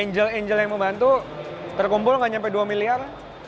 angel angel yang membantu terkumpul nggak sampai dua miliar